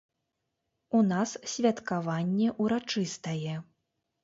У нас святкаванне урачыстае.